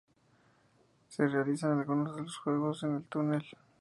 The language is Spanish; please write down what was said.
Se realizan algunos de los juegos en el túnel.